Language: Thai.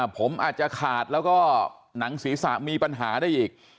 ผมอาจจะขาดแล้วก็หนังศีรษะมีปัญหาได้อีก